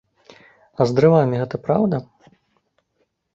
А з дрывамі гэта праўда?